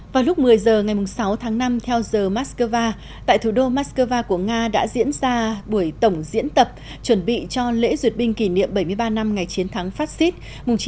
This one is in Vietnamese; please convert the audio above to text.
vào lúc một mươi h ngày sáu tháng năm theo giờ moscow tại thủ đô moscow của nga đã diễn ra buổi tổng diễn tập chuẩn bị cho lễ duyệt binh kỷ niệm bảy mươi ba năm ngày chiến thắng fascist